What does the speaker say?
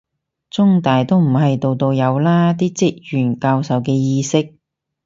中大都唔係度度有啦，啲職員教授嘅意識